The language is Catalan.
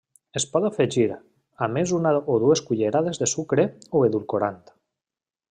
Es pot afegir, a més una o dues cullerades de sucre o edulcorant.